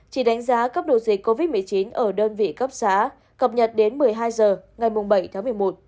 chỉ đánh giá cấp độ dịch covid một mươi chín ở đơn vị cấp xã cập nhật đến một mươi hai h ngày bảy tháng một mươi một